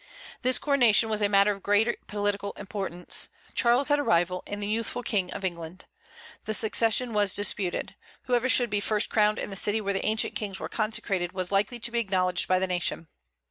This coronation was a matter of great political importance. Charles had a rival in the youthful King of England. The succession was disputed. Whoever should first be crowned in the city where the ancient kings were consecrated was likely to be acknowledged by the nation.